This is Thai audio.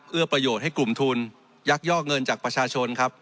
ประโยชน์ให้กลุ่มทุนยักยอกเงินจากประชาชนครับ